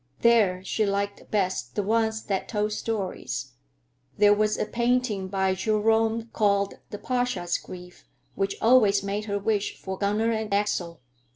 There she liked best the ones that told stories. There was a painting by Gérôme called "The Pasha's Grief" which always made her wish for Gunner and Axel.